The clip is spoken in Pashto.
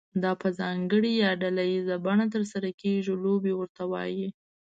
دا په ځانګړې یا ډله ییزه بڼه ترسره کیږي لوبې ورته وایي.